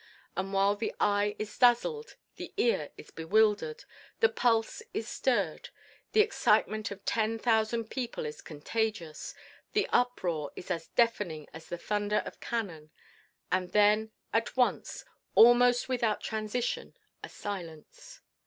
And while the eye is dazzled the ear is bewildered, the pulse is stirred. The excitement of ten thousand people is contagious; the uproar is as deafening as the thunder of cannon. And then, at once, almost without transition, a silence.